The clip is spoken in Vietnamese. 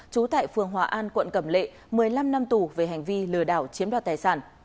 trú tại phường hòa an quận cẩm lệ một mươi năm năm tù về hành vi lừa đảo chiếm đoạt tài sản